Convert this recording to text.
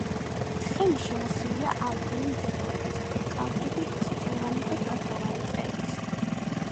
თხემი შემოსილია ალპური მდელოებით, კალთები წიწვოვანი და ფოთლოვანი ტყეებით.